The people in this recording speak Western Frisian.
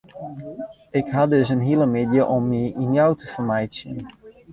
Ik ha dus in hiele middei om my yn Ljouwert te fermeitsjen.